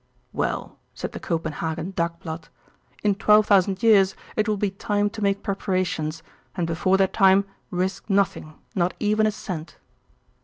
"Well," said the Copenhagen Dagblad, "in 12,000 years it will be time to make preparations, and before that time risk nothing not even a cent."